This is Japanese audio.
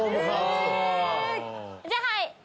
じゃあはい！